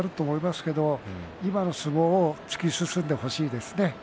しかし、今の相撲を突き進んでほしいですね。